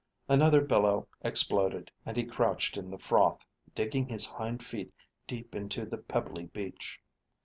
Another billow exploded and he crouched in the froth, digging his hind feet deep into the pebbly beach.